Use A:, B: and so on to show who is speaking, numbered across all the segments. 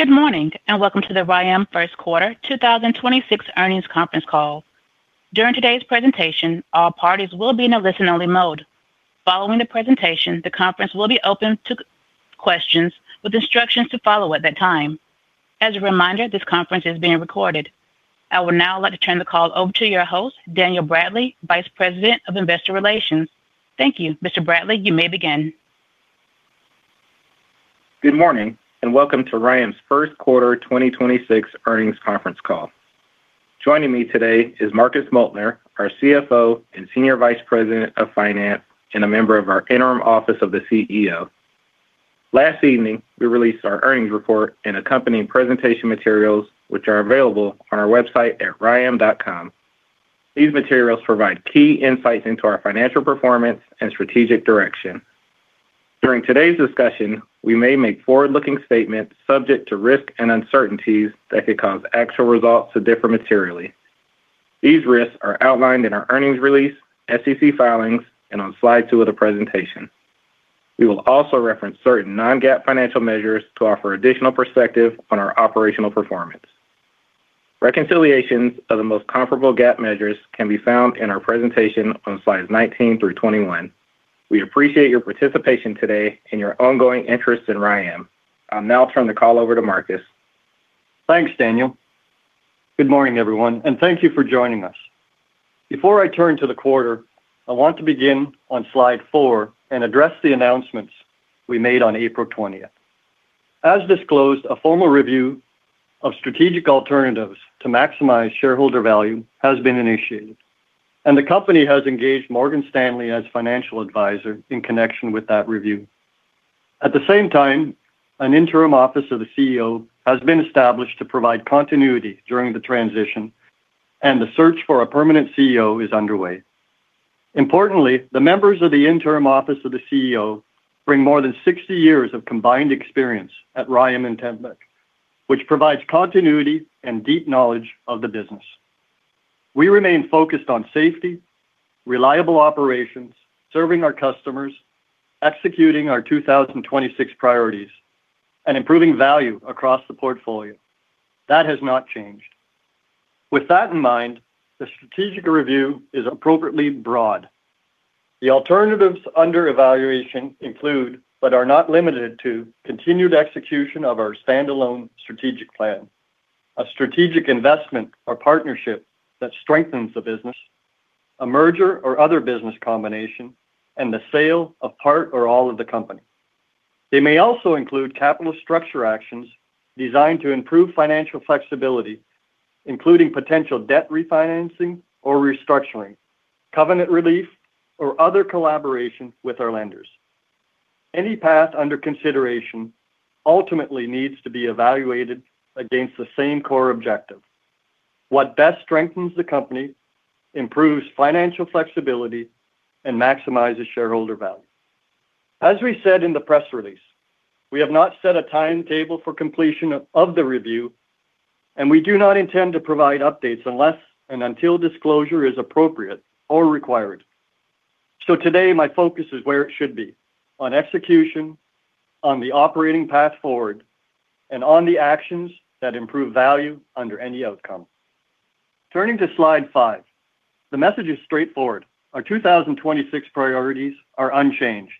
A: Good morning, welcome to the RYAM first quarter 2026 earnings conference call. During today's presentation, all parties will be in a listen-only mode. Following the presentation, the conference will be open to questions with instructions to follow at that time. As a reminder, this conference is being recorded. I would now like to turn the call over to your host, Daniel Bradley, Vice President of Investor Relations. Thank you. Mr. Bradley, you may begin.
B: Good morning, welcome to RYAM's first quarter 2026 earnings conference call. Joining me today is Marcus Moeltner, our CFO and Senior Vice President of Finance, and a member of our interim office of the CEO. Last evening, we released our earnings report and accompanying presentation materials, which are available on our website at ryam.com. These materials provide key insights into our financial performance and strategic direction. During today's discussion, we may make forward-looking statements subject to risk and uncertainties that could cause actual results to differ materially. These risks are outlined in our earnings release, SEC filings, and on slide 2 of the presentation. We will also reference certain non-GAAP financial measures to offer additional perspective on our operational performance. Reconciliations of the most comparable GAAP measures can be found in our presentation on slides 19-21. We appreciate your participation today and your ongoing interest in RYAM. I'll now turn the call over to Marcus.
C: Thanks, Daniel. Good morning, everyone, and thank you for joining us. Before I turn to the quarter, I want to begin on slide 4 and address the announcements we made on April 20th. As disclosed, a formal review of strategic alternatives to maximize shareholder value has been initiated, and the company has engaged Morgan Stanley as financial advisor in connection with that review. At the same time, an interim office of the CEO has been established to provide continuity during the transition, and the search for a permanent CEO is underway. Importantly, the members of the interim office of the CEO bring more than 60 years of combined experience at RYAM and Tembec, which provides continuity and deep knowledge of the business. We remain focused on safety, reliable operations, serving our customers, executing our 2026 priorities, and improving value across the portfolio. That has not changed. With that in mind, the strategic review is appropriately broad. The alternatives under evaluation include, but are not limited to, continued execution of our standalone strategic plan, a strategic investment or partnership that strengthens the business, a merger or other business combination, and the sale of part or all of the company. They may also include capital structure actions designed to improve financial flexibility, including potential debt refinancing or restructuring, covenant relief, or other collaboration with our lenders. Any path under consideration ultimately needs to be evaluated against the same core objective. What best strengthens the company, improves financial flexibility, and maximizes shareholder value. As we said in the press release, we have not set a timetable for completion of the review, and we do not intend to provide updates unless and until disclosure is appropriate or required. Today, my focus is where it should be, on execution, on the operating path forward, and on the actions that improve value under any outcome. Turning to slide 5, the message is straightforward. Our 2026 priorities are unchanged.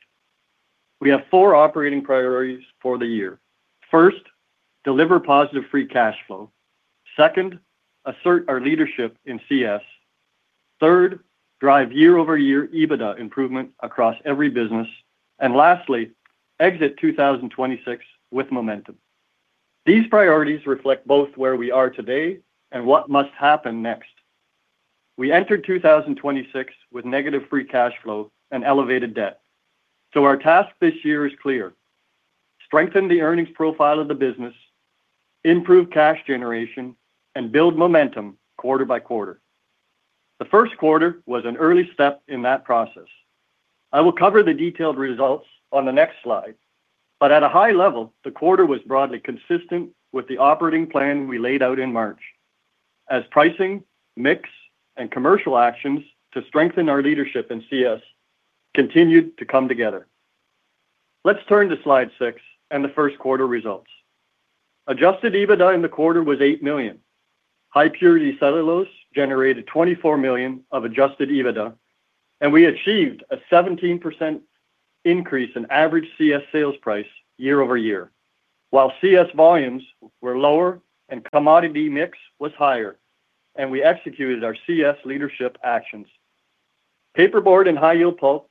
C: We have four operating priorities for the year. First, deliver positive free cash flow. Second, assert our leadership in CS. Third, drive year-over-year EBITDA improvement across every business. Lastly, exit 2026 with momentum. These priorities reflect both where we are today and what must happen next. We entered 2026 with negative free cash flow and elevated debt. Our task this year is clear: strengthen the earnings profile of the business, improve cash generation, and build momentum quarter by quarter. The first quarter was an early step in that process. I will cover the detailed results on the next slide, but at a high level, the quarter was broadly consistent with the operating plan we laid out in March as pricing, mix, and commercial actions to strengthen our leadership in CS continued to come together. Let's turn to slide 6 and the first quarter results. Adjusted EBITDA in the quarter was $8 million. High Purity Cellulose generated $24 million of adjusted EBITDA, and we achieved a 17% increase in average CS sales price year-over-year. While CS volumes were lower and commodity mix was higher, and we executed our CS leadership actions. Paperboard and High-Yield Pulp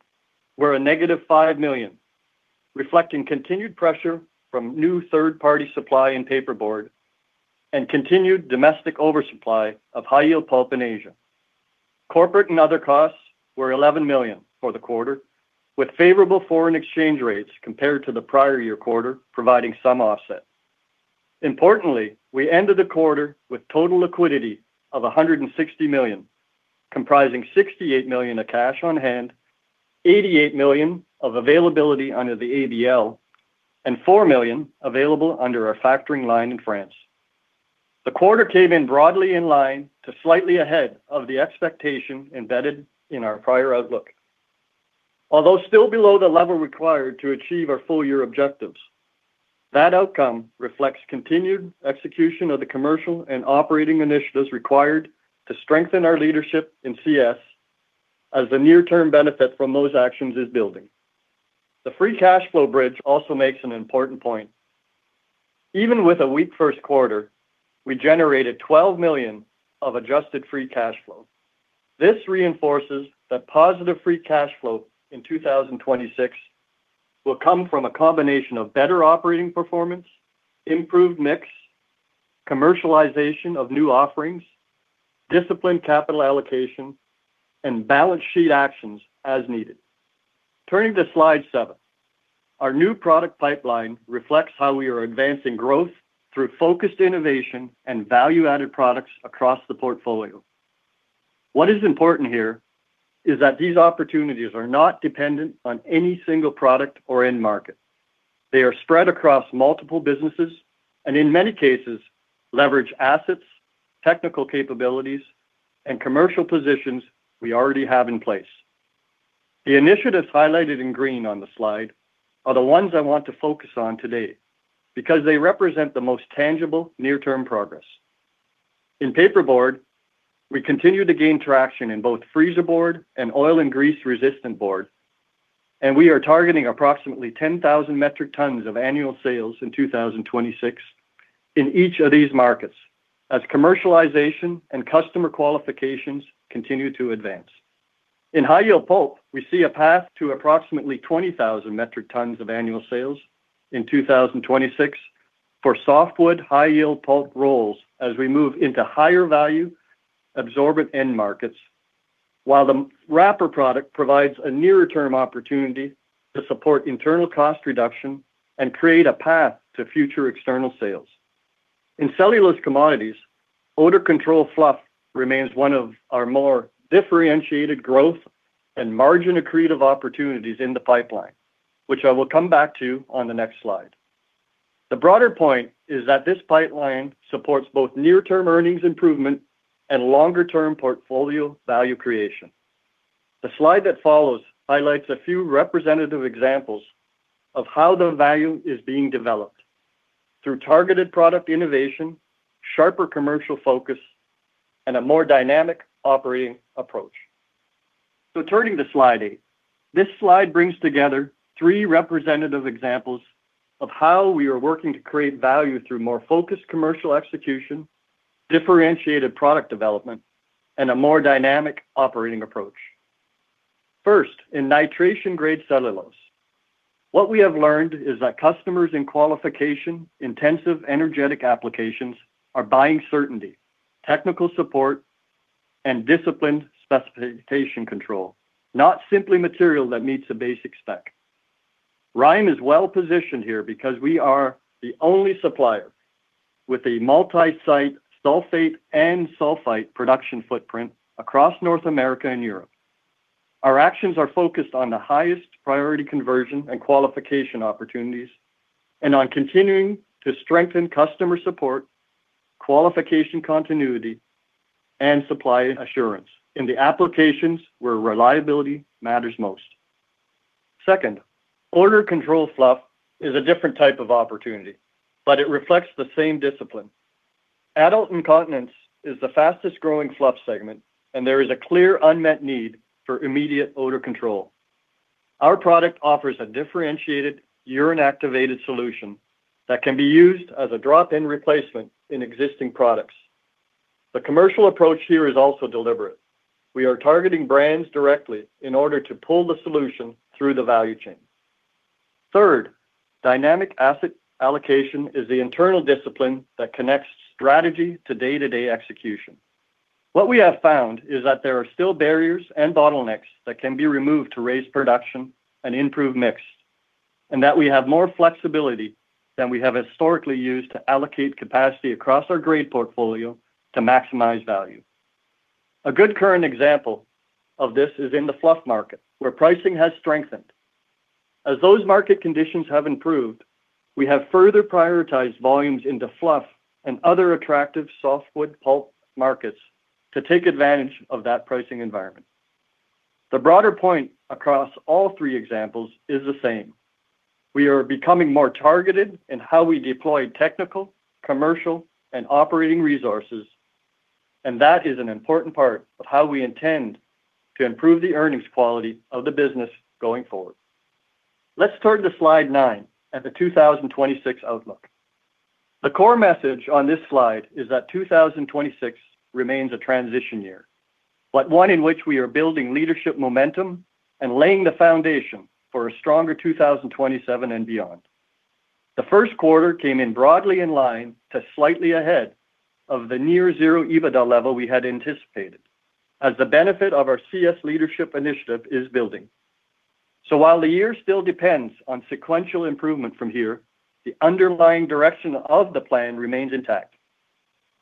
C: were a negative $5 million, reflecting continued pressure from new third-party supply in Paperboard and continued domestic oversupply of High-Yield Pulp in Asia. Corporate and other costs were $11 million for the quarter, with favorable foreign exchange rates compared to the prior year quarter, providing some offset. Importantly, we ended the quarter with total liquidity of $160 million, comprising $68 million of cash on hand, $88 million of availability under the ABL, and $4 million available under our factoring line in France. The quarter came in broadly in line to slightly ahead of the expectation embedded in our prior outlook. Although still below the level required to achieve our full-year objectives, that outcome reflects continued execution of the commercial and operating initiatives required to strengthen our leadership in CS as the near-term benefit from those actions is building. The free cash flow bridge also makes an important point. Even with a weak first quarter, we generated $12 million of adjusted free cash flow. This reinforces that positive free cash flow in 2026 will come from a combination of better operating performance, improved mix, commercialization of new offerings, disciplined capital allocation, and balance sheet actions as needed. Turning to slide 7. Our new product pipeline reflects how we are advancing growth through focused innovation and value-added products across the portfolio. What is important here is that these opportunities are not dependent on any single product or end market. They are spread across multiple businesses and in many cases, leverage assets, technical capabilities, and commercial positions we already have in place. The initiatives highlighted in green on the slide are the ones I want to focus on today because they represent the most tangible near-term progress. In Paperboard, we continue to gain traction in both freezer board and oil and grease-resistant board. We are targeting approximately 10,000 metric tons of annual sales in 2026 in each of these markets as commercialization and customer qualifications continue to advance. In High-Yield Pulp, we see a path to approximately 20,000 metric tons of annual sales in 2026 for softwood high-yield pulp rolls as we move into higher value absorbent end markets, while the wrapper product provides a nearer-term opportunity to support internal cost reduction and create a path to future external sales. In Cellulose Commodities, Odor Control Fluff remains one of our more differentiated growth and margin accretive opportunities in the pipeline, which I will come back to on the next slide. The broader point is that this pipeline supports both near-term earnings improvement and longer-term portfolio value creation. The slide that follows highlights a few representative examples of how the value is being developed through targeted product innovation, sharper commercial focus, and a more dynamic operating approach. Turning to slide 8. This slide brings together 3 representative examples of how we are working to create value through more focused commercial execution, differentiated product development, and a more dynamic operating approach. First, in nitration-grade cellulose. What we have learned is that customers in qualification-intensive energetic applications are buying certainty, technical support, and disciplined specification control, not simply material that meets the basic spec. RYAM is well-positioned here because we are the only supplier with a multi-site sulfate and sulfite production footprint across North America and Europe. Our actions are focused on the highest priority conversion and qualification opportunities and on continuing to strengthen customer support, qualification continuity, and supply assurance in the applications where reliability matters most. Second, Odor Control Fluff is a different type of opportunity, but it reflects the same discipline. Adult incontinence is the fastest-growing fluff segment, and there is a clear unmet need for immediate odor control. Our product offers a differentiated urine-activated solution that can be used as a drop-in replacement in existing products. The commercial approach here is also deliberate. We are targeting brands directly in order to pull the solution through the value chain. Third, dynamic asset allocation is the internal discipline that connects strategy to day-to-day execution. What we have found is that there are still barriers and bottlenecks that can be removed to raise production and improve mix, and that we have more flexibility than we have historically used to allocate capacity across our grade portfolio to maximize value. A good current example of this is in the fluff market, where pricing has strengthened. As those market conditions have improved, we have further prioritized volumes into fluff and other attractive softwood pulp markets to take advantage of that pricing environment. The broader point across all three examples is the same. We are becoming more targeted in how we deploy technical, commercial, and operating resources. That is an important part of how we intend to improve the earnings quality of the business going forward. Let's turn to slide 9 and the 2026 outlook. The core message on this slide is that 2026 remains a transition year, but one in which we are building leadership momentum and laying the foundation for a stronger 2027 and beyond. The first quarter came in broadly in line to slightly ahead of the near zero EBITDA level we had anticipated as the benefit of our CS leadership initiative is building. While the year still depends on sequential improvement from here, the underlying direction of the plan remains intact.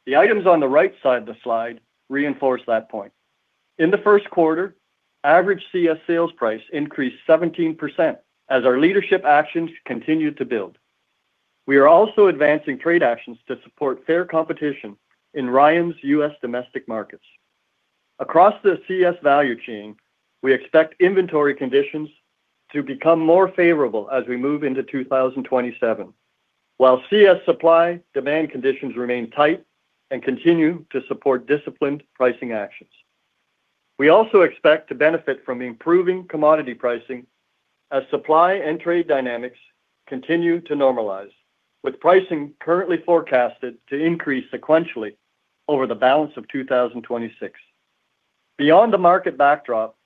C: The items on the right side of the slide reinforce that point. In the first quarter, average CS sales price increased 17% as our leadership actions continued to build. We are also advancing trade actions to support fair competition in RYAM's U.S. domestic markets. Across the CS value chain, we expect inventory conditions to become more favorable as we move into 2027. While CS supply demand conditions remain tight and continue to support disciplined pricing actions. We also expect to benefit from improving commodity pricing as supply and trade dynamics continue to normalize, with pricing currently forecasted to increase sequentially over the balance of 2026. Beyond the market backdrop,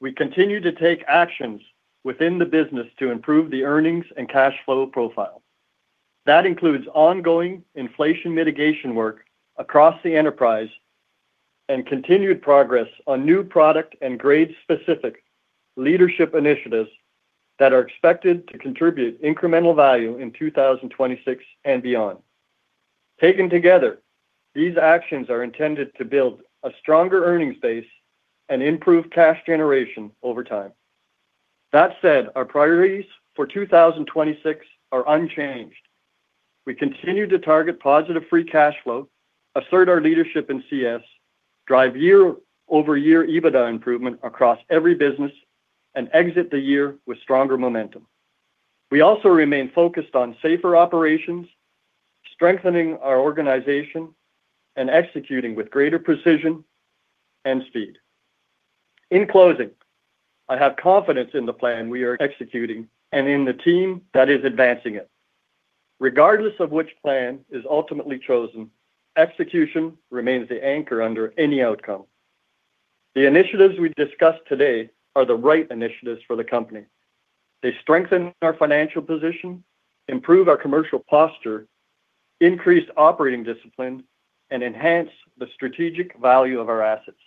C: we continue to take actions within the business to improve the earnings and cash flow profile. That includes ongoing inflation mitigation work across the enterprise and continued progress on new product and grade-specific leadership initiatives that are expected to contribute incremental value in 2026 and beyond. Taken together, these actions are intended to build a stronger earnings base and improve cash generation over time. That said, our priorities for 2026 are unchanged. We continue to target positive free cash flow, assert our leadership in CS, drive year-over-year EBITDA improvement across every business, and exit the year with stronger momentum. We also remain focused on safer operations, strengthening our organization, and executing with greater precision and speed. In closing, I have confidence in the plan we are executing and in the team that is advancing it. Regardless of which plan is ultimately chosen, execution remains the anchor under any outcome. The initiatives we discussed today are the right initiatives for the company. They strengthen our financial position, improve our commercial posture, increase operating discipline, and enhance the strategic value of our assets.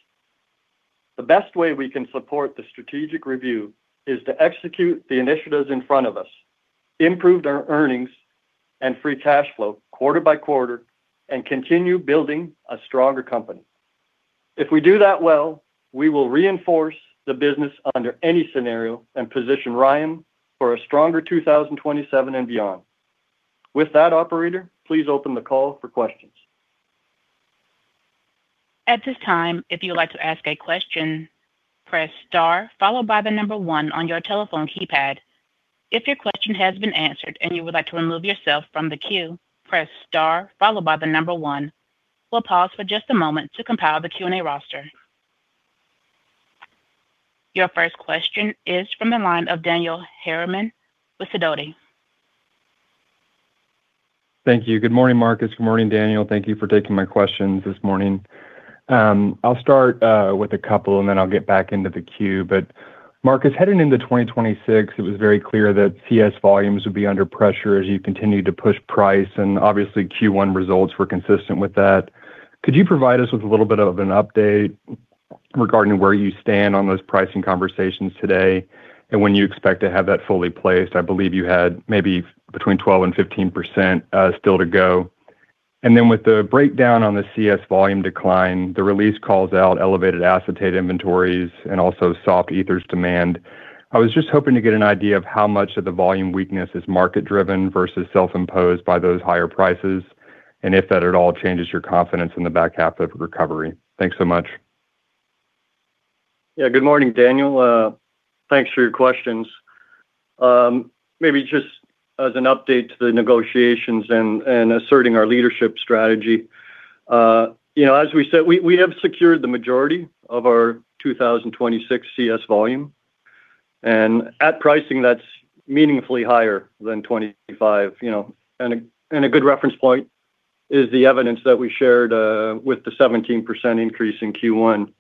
C: The best way we can support the strategic review is to execute the initiatives in front of us, improve their earnings and free cash flow quarter by quarter, and continue building a stronger company. If we do that well, we will reinforce the business under any scenario and position RYAM for a stronger 2027 and beyond. With that, operator, please open the call for questions.
A: At this time, if you like to ask a question press star followed by the number one on your telephone keypad, if your question has been asked and you would like to remove yourself from the queue, press star followed by the number one. We'll pause for just a moment to compile the Q&A roster. Your first question is from the line of Daniel Harriman with Sidoti.
D: Thank you. Good morning, Marcus. Good morning, Daniel. Thank you for taking my questions this morning. I'll start with a couple, and then I'll get back into the queue. Marcus, heading into 2026, it was very clear that CS volumes would be under pressure as you continued to push price, and obviously Q1 results were consistent with that. Could you provide us with a little bit of an update regarding where you stand on those pricing conversations today and when you expect to have that fully placed? I believe you had maybe between 12% and 15% still to go. With the breakdown on the CS volume decline, the release calls out elevated acetate inventories and also soft ethers demand. I was just hoping to get an idea of how much of the volume weakness is market-driven versus self-imposed by those higher prices, and if that at all changes your confidence in the back half of recovery? Thanks so much.
C: Yeah. Good morning, Daniel. Thanks for your questions. Maybe just as an update to the negotiations and asserting our leadership strategy. You know, as we said, we have secured the majority of our 2026 CS volume and at pricing that's meaningfully higher than 25, you know. A good reference point is the evidence that we shared with the 17% increase in Q1.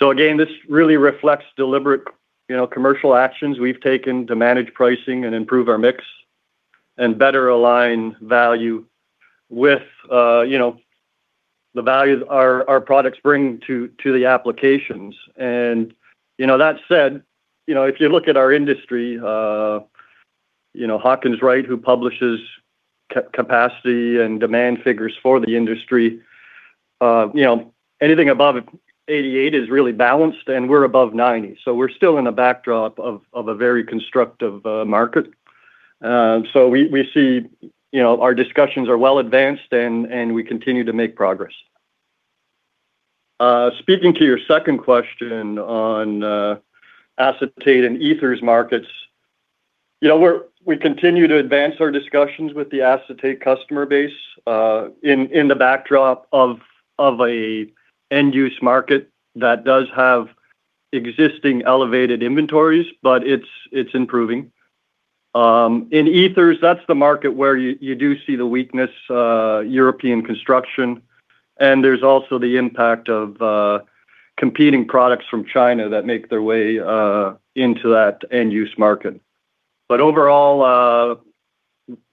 C: Again, this really reflects deliberate, you know, commercial actions we've taken to manage pricing and improve our mix and better align value with, you know, the value our products bring to the applications. You know, that said, you know, if you look at our industry, you know, Hawkins Wright, who publishes capacity and demand figures for the industry, you know, anything above 88 is really balanced, and we're above 90. We're still in a backdrop of a very constructive market. We see, you know, our discussions are well advanced and we continue to make progress. Speaking to your second question on acetate and ethers markets, you know, we continue to advance our discussions with the acetate customer base in the backdrop of a end use market that does have existing elevated inventories, but it's improving. In ethers, that's the market where you do see the weakness, European construction, and there's also the impact of competing products from China that make their way into that end-use market. Overall,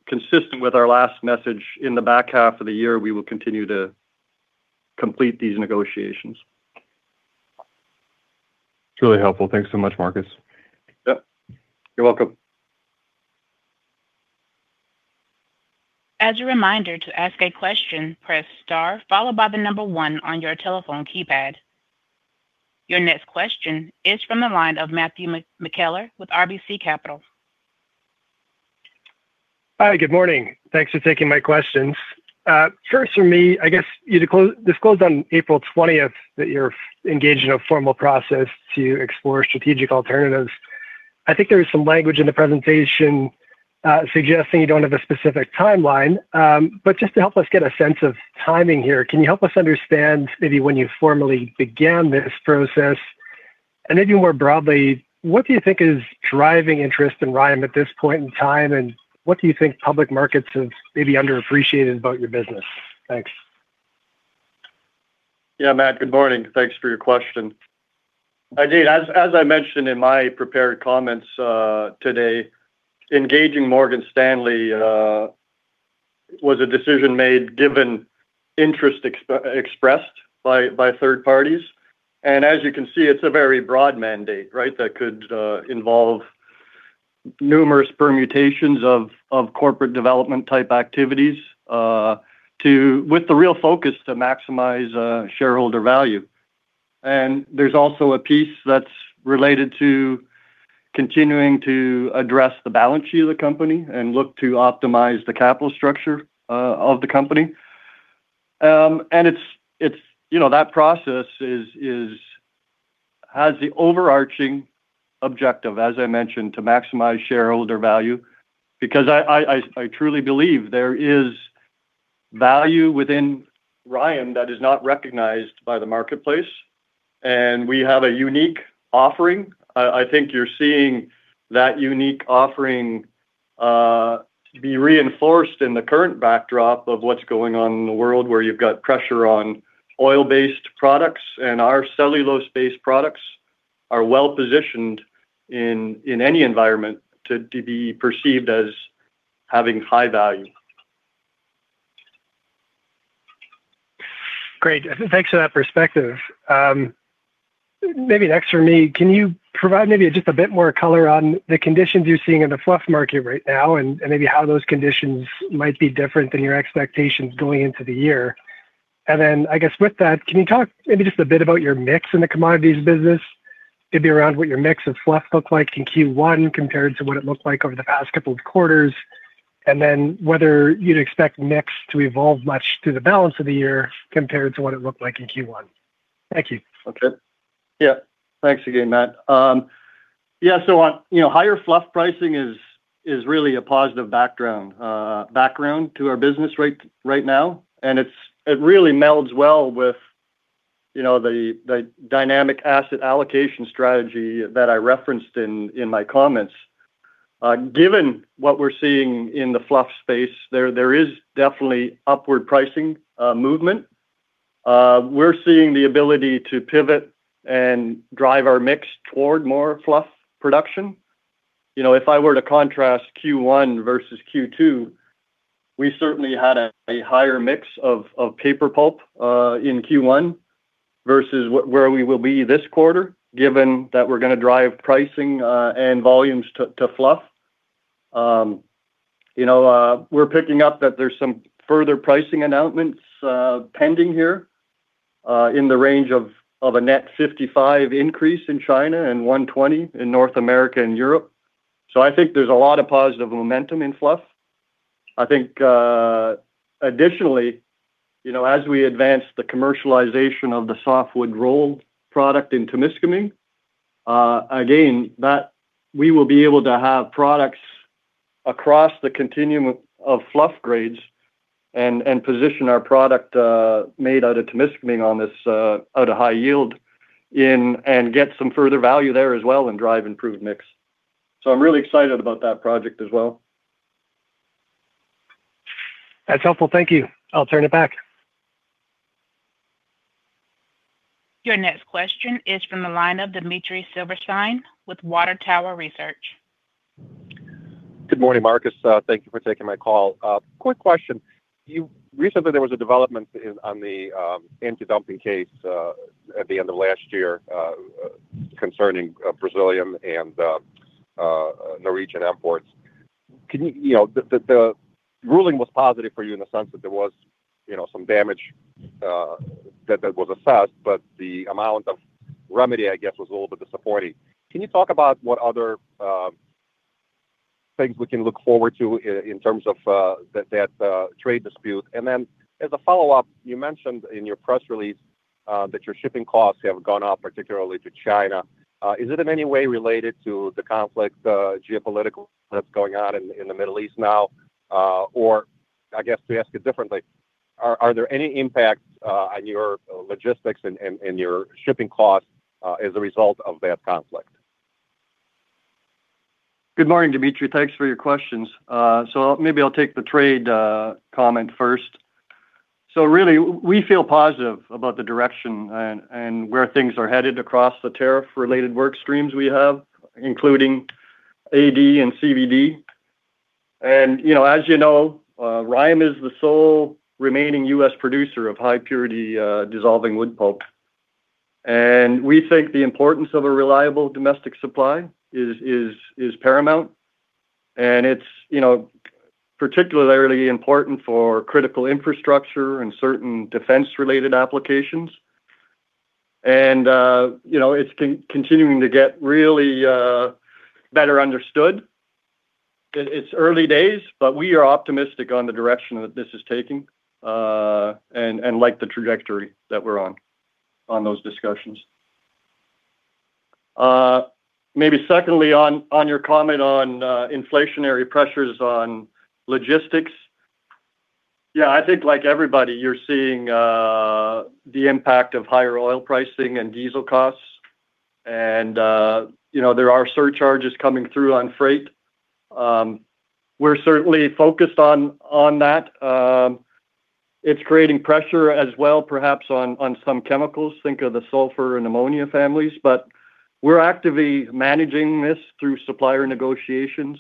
C: consistent with our last message in the back half of the year, we will continue to complete these negotiations.
D: It's really helpful. Thanks so much, Marcus.
C: Yep. You're welcome.
A: As a reminder, to ask a question press star followed by the number one on your telephone keypad. Your next question is from the line of Matthew McKellar with RBC Capital.
E: Hi, good morning. Thanks for taking my questions. First from me, I guess you disclosed on April 20th that you're engaged in a formal process to explore strategic alternatives. I think there was some language in the presentation suggesting you don't have a specific timeline. Just to help us get a sense of timing here, can you help us understand maybe when you formally began this process? Maybe more broadly, what do you think is driving interest in RYAM at this point in time, and what do you think public markets have maybe underappreciated about your business? Thanks.
C: Matt, good morning. Thanks for your question. Indeed, as I mentioned in my prepared comments today, engaging Morgan Stanley was a decision made given interest expressed by third parties. As you can see, it's a very broad mandate, right? That could involve numerous permutations of corporate development type activities to with the real focus to maximize shareholder value. There's also a piece that's related to continuing to address the balance sheet of the company and look to optimize the capital structure of the company. It's, you know, that process has the overarching objective, as I mentioned, to maximize shareholder value because I truly believe there is value within RYAM that is not recognized by the marketplace, and we have a unique offering. I think you're seeing that unique offering be reinforced in the current backdrop of what's going on in the world, where you've got pressure on oil-based products and our cellulose-based products are well-positioned in any environment to be perceived as having high value.
E: Great. Thanks for that perspective. Maybe next for me, can you provide just a bit more color on the conditions you're seeing in the fluff market right now and maybe how those conditions might be different than your expectations going into the year? I guess with that, can you talk just a bit about your mix in the commodities business, maybe around what your mix of fluff looked like in Q1 compared to what it looked like over the past couple of quarters? Whether you'd expect mix to evolve much through the balance of the year compared to what it looked like in Q1. Thank you.
C: Okay. Yeah. Thanks again, Matt. Yeah, on, you know, higher fluff pricing is really a positive background to our business right now, and it really melds well with, you know, the dynamic asset allocation strategy that I referenced in my comments. Given what we're seeing in the fluff space, there is definitely upward pricing movement. We're seeing the ability to pivot and drive our mix toward more fluff production. You know, if I were to contrast Q1 versus Q2, we certainly had a higher mix of paper pulp in Q1 versus where we will be this quarter, given that we're going to drive pricing and volumes to fluff. You know, we're picking up that there's some further pricing announcements pending here in the range of a net $55 increase in China and $120 in North America and Europe. I think there's a lot of positive momentum in fluff. I think, additionally, as we advance the commercialization of the softwood roll product in Temiscaming, again, that we will be able to have products across the continuum of fluff grades and position our product made out of Temiscaming on this at a high yield and get some further value there as well and drive improved mix. I'm really excited about that project as well.
E: That's helpful. Thank you. I'll turn it back.
A: Your next question is from the line of Dmitry Silversteyn with Water Tower Research.
F: Good morning, Marcus. Thank you for taking my call. Quick question. Recently there was a development on the antidumping case at the end of last year concerning Brazilian and Norwegian imports. You know, the ruling was positive for you in the sense that there was, you know, some damage that was assessed, but the amount of remedy, I guess, was a little bit disappointing. Can you talk about what other things we can look forward to in terms of that trade dispute? As a follow-up, you mentioned in your press release that your shipping costs have gone up, particularly to China. Is it in any way related to the conflict geopolitical that's going on in the Middle East now? I guess to ask it differently, are there any impacts on your logistics and your shipping costs as a result of that conflict?
C: Good morning, Dmitry. Thanks for your questions. Maybe I'll take the trade comment first. Really, we feel positive about the direction and where things are headed across the tariff-related work streams we have, including AD and CVD. You know, as you know, RYAM is the sole remaining U.S. producer of high-purity dissolving wood pulp. We think the importance of a reliable domestic supply is paramount. It's, you know, particularly important for critical infrastructure and certain defense-related applications. You know, it's continuing to get really better understood. It's early days, but we are optimistic on the direction that this is taking and like the trajectory that we're on on those discussions. Maybe secondly on your comment on inflationary pressures on logistics. Yeah, I think like everybody, you're seeing the impact of higher oil pricing and diesel costs. You know, there are surcharges coming through on freight. We're certainly focused on that. It's creating pressure as well perhaps on some chemicals. Think of the sulfur and ammonia families. We're actively managing this through supplier negotiations.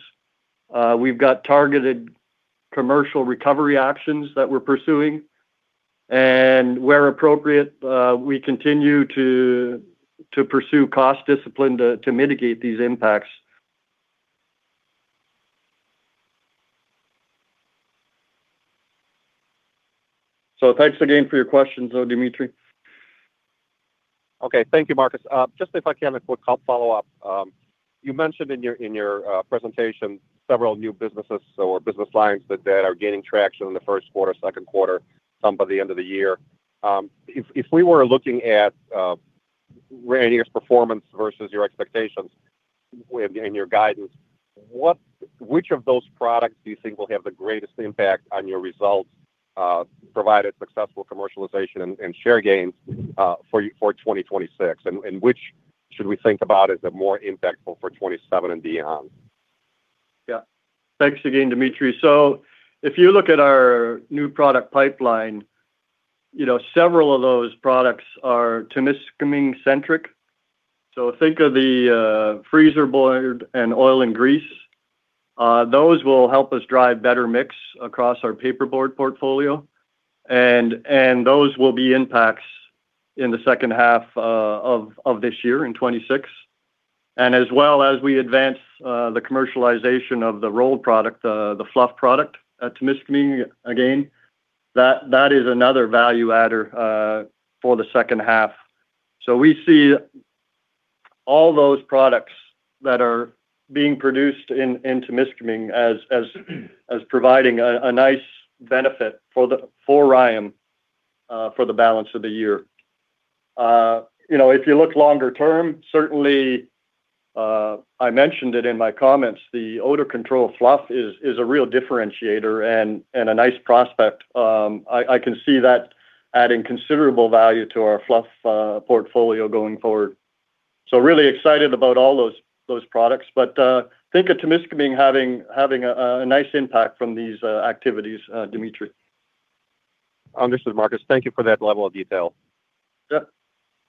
C: We've got targeted commercial recovery options that we're pursuing. Where appropriate, we continue to pursue cost discipline to mitigate these impacts. Thanks again for your questions though, Dmitry.
F: Okay. Thank you, Marcus. Just if I can, a quick follow-up. You mentioned in your presentation several new businesses or business lines that are gaining traction in the first quarter, second quarter, some by the end of the year. If we were looking at year's performance versus your expectations in your guidance, which of those products do you think will have the greatest impact on your results, provided successful commercialization and share gains for 2026? And which should we think about as a more impactful for 2027 and beyond?
C: Yeah. Thanks again, Dmitry. If you look at our new product pipeline, you know, several of those products are Temiscaming-centric. Think of the freezer board and oil and grease. Those will help us drive better mix across our Paperboard portfolio. Those will be impacts in the second half of this year in 2026. As well as we advance the commercialization of the rolled product, the fluff product at Temiscaming, again, that is another value adder for the second half. We see all those products that are being produced in Temiscaming as providing a nice benefit for RYAM for the balance of the year. You know, if you look longer term, certainly, I mentioned it in my comments, the Odor Control Fluff is a real differentiator and a nice prospect. I can see that adding considerable value to our fluff portfolio going forward. Really excited about all those products. Think of Temiscaming having a nice impact from these activities, Dmitry.
F: Understood, Marcus. Thank you for that level of detail.
C: Yeah.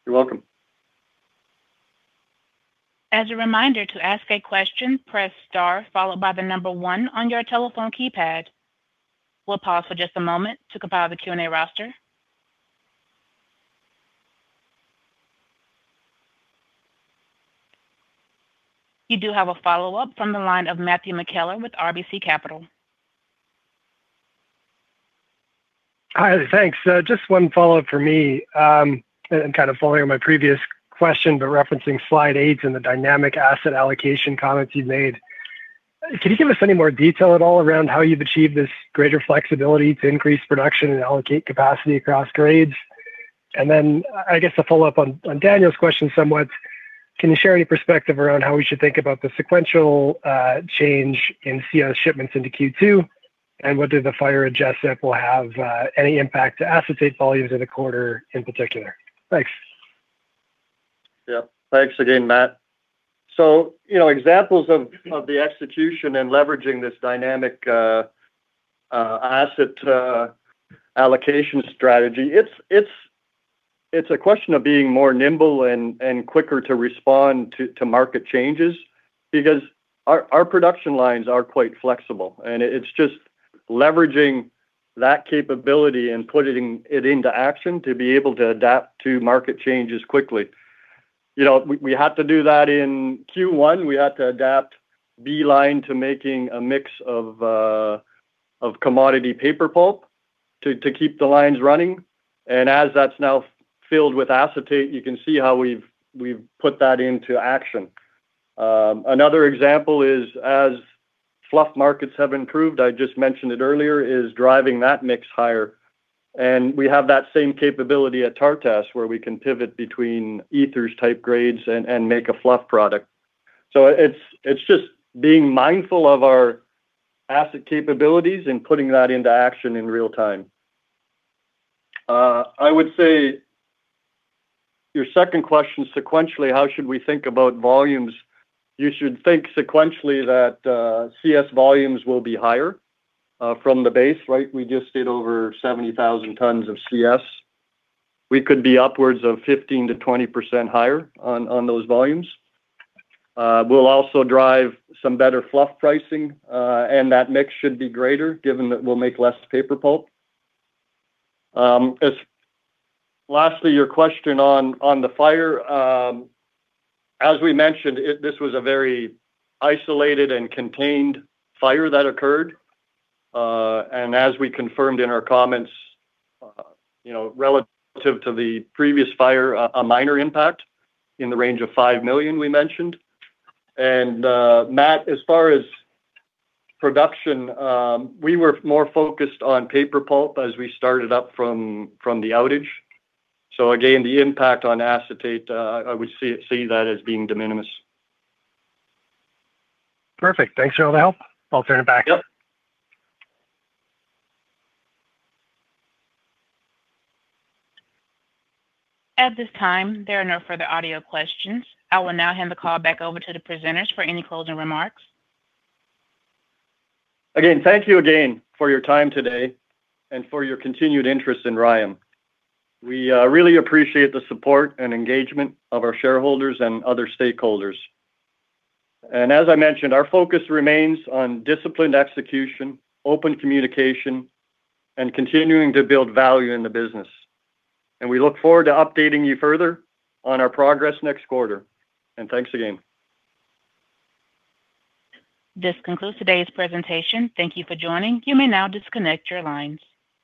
C: You're welcome.
A: As a reminder, to ask a question, press star followed by one on your telephone keypad. We'll pause for just a moment to compile the Q&A roster. You do have a follow-up from the line of Matthew McKellar with RBC Capital.
E: Hi. Thanks. just one follow-up from me. kind of following on my previous question, but referencing slide 8 and the dynamic asset allocation comments you've made. Can you give us any more detail at all around how you've achieved this greater flexibility to increase production and allocate capacity across grades? I guess to follow up on Daniel's question somewhat, can you share any perspective around how we should think about the sequential change in CS shipments into Q2? whether the fire at Jesup will have any impact to acetate volumes in the quarter in particular? Thanks.
C: Yeah. Thanks again, Matt. You know, examples of the execution and leveraging this dynamic asset allocation strategy, it's a question of being more nimble and quicker to respond to market changes because our production lines are quite flexible, and it's just leveraging that capability and putting it into action to be able to adapt to market changes quickly. You know, we had to do that in Q1. We had to adapt B line to making a mix of commodity paper pulp to keep the lines running. As that's now filled with acetate, you can see how we've put that into action. Another example is as fluff markets have improved, I just mentioned it earlier, is driving that mix higher. We have that same capability at Tartas, where we can pivot between ether-type grades and make a fluff product. It's just being mindful of our asset capabilities and putting that into action in real time. I would say your second question sequentially, how should we think about volumes? You should think sequentially that CS volumes will be higher from the base, right? We just did over 70,000 tons of CS. We could be upwards of 15%-20% higher on those volumes. We'll also drive some better fluff pricing, and that mix should be greater given that we'll make less paper pulp. Lastly, your question on the fire. As we mentioned, this was a very isolated and contained fire that occurred. As we confirmed in our comments, you know, relative to the previous fire, a minor impact in the range of $5 million, we mentioned. Matt, as far as production, we were more focused on paper pulp as we started up from the outage. Again, the impact on acetate, I would see that as being de minimis.
E: Perfect. Thanks for all the help. I'll turn it back.
C: Yep.
A: At this time, there are no further audio questions. I will now hand the call back over to the presenters for any closing remarks.
C: Again, thank you again for your time today and for your continued interest in RYAM. We really appreciate the support and engagement of our shareholders and other stakeholders. As I mentioned, our focus remains on disciplined execution, open communication, and continuing to build value in the business. We look forward to updating you further on our progress next quarter. Thanks again.
A: This concludes today's presentation. Thank you for joining. You may now disconnect your lines.